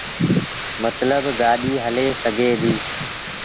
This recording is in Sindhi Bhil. متلب گآڏيٚ هلي سگھي ديٚ۔